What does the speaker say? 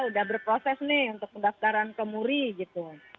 udah berproses nih untuk pendaftaran ke muri gitu